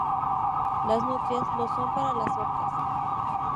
Las nutrias lo son para las orcas.